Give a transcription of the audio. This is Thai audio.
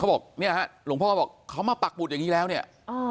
บอกเนี่ยฮะหลวงพ่อบอกเขามาปักหุดอย่างนี้แล้วเนี่ย